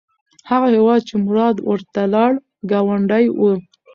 هغه هیواد چې مراد ورته لاړ، ګاونډی و.